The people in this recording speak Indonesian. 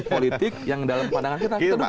politik yang dalam pandangan kita duduk